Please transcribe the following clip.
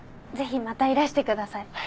ぜひまたいらしてください。